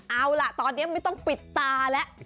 เอาล่ะตอนนี้ไม่ต้องปิดตาแล้ว